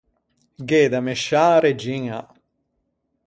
Gh’é da mesciâ a regiña.